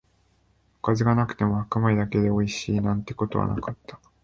おかずがなくても白米だけでおいしい、なんてことはなかった